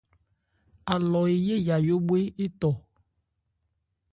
Alɔ eyé yayó bhwe étɔ.